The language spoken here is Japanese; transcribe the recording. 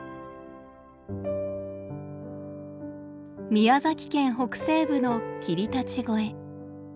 宮崎県北西部の霧立越。